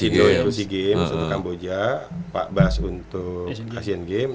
lexindo ac games kampoja pak bas untuk asean games